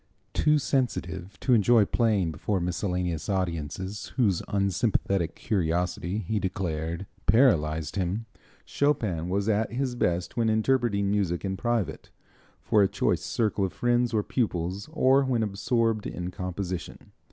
Too sensitive to enjoy playing before miscellaneous audiences whose unsympathetic curiosity, he declared, paralyzed him, Chopin was at his best when interpreting music in private, for a choice circle of friends or pupils, or when absorbed in composition.